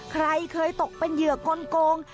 ใครเคยตกเป็นเหยื่อกลง